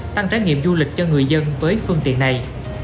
tăng trải nghiệm du lịch cho người dân với phương tiện này